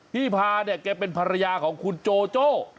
พาเนี่ยแกเป็นภรรยาของคุณโจโจ้